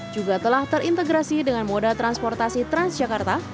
juga telah terintegrasi dengan moda transportasi transjakarta